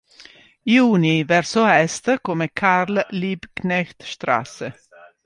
Juni", verso est come "Karl-Liebknecht-Straße".